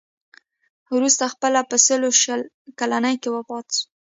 وروسته خپله په سلو شل کلنۍ کې وفات شو.